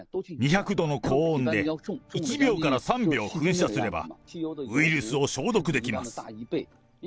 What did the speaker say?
２００度の高温で、１秒から３秒噴射すれば、ウイルスを消毒出来ます。